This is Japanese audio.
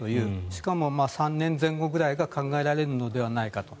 しかも３年前後ぐらいが考えられるのではないかと。